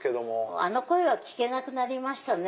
あの声は聞けなくなりましたね。